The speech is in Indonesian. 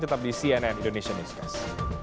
tetap di cnn indonesia newscast